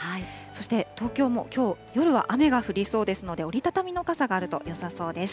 そして東京もきょう、夜は雨が降りそうですので、折り畳みの傘があるとよさそうです。